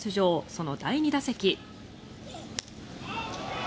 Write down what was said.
その第２打席。